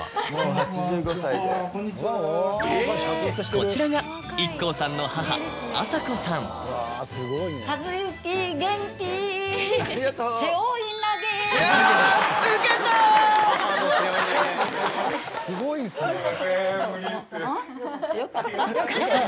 こちらがＩＫＫＯさんの。いやウケた！